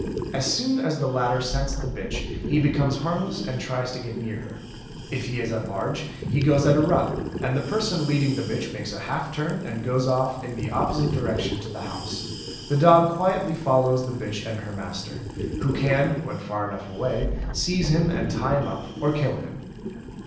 As soon as the latter scents the bitch he becomes harmless and tries to get near her; if he is at large he goes at a run and the person leading the bitch makes a half turn and goes off in the opposite direction to the house; the dog quietly follows the bitch and her master, who can when far enough away seize him and tie him up or kill him.